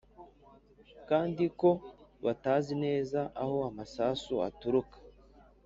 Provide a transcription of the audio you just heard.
kandi ko batazi neza aho amasasu aturuka.